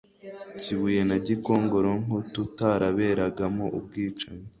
Kibuye na Gikongoro nk’ututaraberagamo ubwicanyi